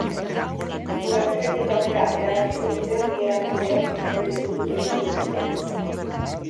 Udazkenetik aurrera erabakiko dute bi erakundeok zein liburu itzuliko dituzten.